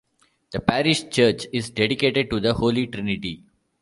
The parish church is dedicated to the Holy Trinity.